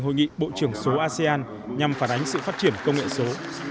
hội nghị bộ trưởng số asean nhằm phản ánh sự phát triển công nghệ số